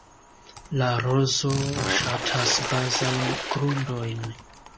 La rozo ŝatas bazajn grundojn.